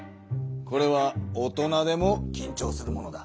これは大人でもきんちょうするものだ。